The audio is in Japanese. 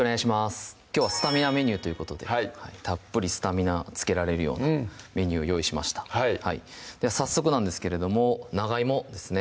きょうは「スタミナメニュー」ということでたっぷりスタミナつけられるようなメニューを用意しました早速なんですけれども長いもですね